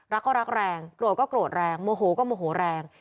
รักก็รักแรงโกรธก็โกรธแรงโมโหก็โมโหแรง